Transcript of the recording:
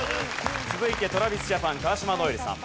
続いてＴｒａｖｉｓＪａｐａｎ川島如恵留さん。